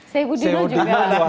saya ujung ujung juga